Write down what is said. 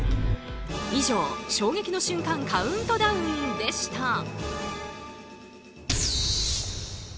以上、衝撃の瞬間カウントダウンでした。